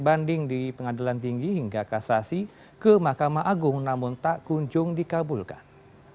banding di pengadilan tinggi hingga kasasi ke mahkamah agung namun tak kunjung dikabulkan